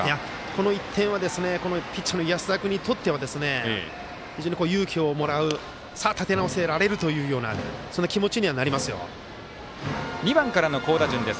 この１点はピッチャーの安田君にとっては非常に勇気をもらう立て直せられるという２番からの好打順です。